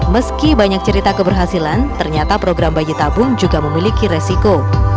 meski banyak cerita keberhasilan ternyata program bayi tabung juga memiliki resiko